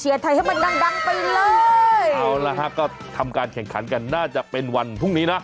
เอาล่ะฮะก็ทำการแข่งขันกันน่าจะเป็นวันพรุ่งนี้นะ